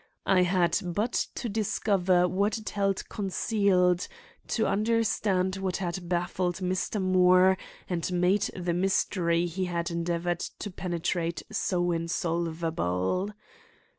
I had but to discover what it held concealed to understand what had baffled Mr. Moore and made the mystery he had endeavored to penetrate so insolvable.